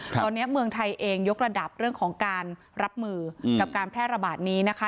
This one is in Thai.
ตอนนี้เมืองไทยเองยกระดับเรื่องของการรับมือกับการแพร่ระบาดนี้นะคะ